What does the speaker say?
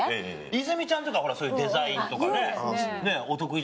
泉ちゃんとかほらそういうデザインとかねお得意。